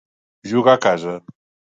Jugar a casa.